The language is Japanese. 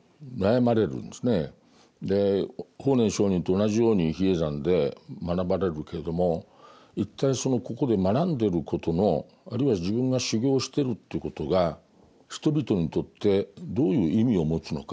法然上人と同じように比叡山で学ばれるけれども一体そのここで学んでることのあるいは自分が修行してるっていうことが人々にとってどういう意味を持つのか。